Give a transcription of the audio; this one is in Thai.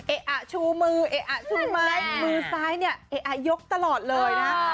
ชูมือเอ๊ะอ่ะชูไม้มือซ้ายเนี่ยเอ๊ะอ่ะยกตลอดเลยนะ